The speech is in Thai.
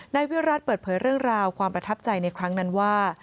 นายวิรัติเปิดเผยเรื่องราวความประทับใจในครั้งนั้นว่า